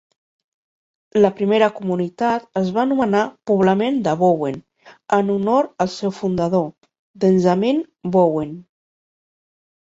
La primera comunitat es va anomenar "Poblament de Bowen", en honor al seu fundador, Benjamin Bowen.